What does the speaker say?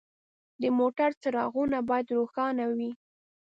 د موټر څراغونه باید روښانه وي.